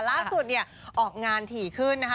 ล่าสุดออกงานถี่ขึ้นนะคะ